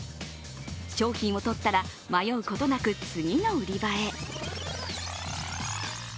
商品をとったら迷うことなく次の売り場へ。